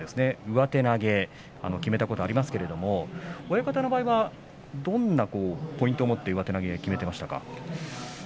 上手投げきめたことがありますけど親方の場合にはどんなポイントを持って上手投げをきめていましたか。